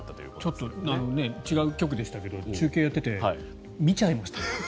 ちょっと違う局でしたけど中継をやっていて見ちゃいました。